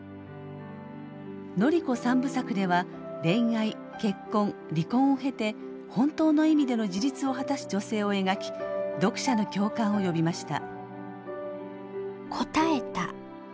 「乃里子三部作」では恋愛結婚離婚を経て本当の意味での自立を果たす女性を描き読者の共感を呼びました。